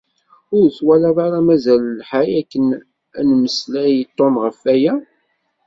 Ur twalaḍ ara mazal lḥal akken ad nemmeslay i Tom ɣef waya?